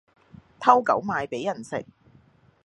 偷狗賣畀人食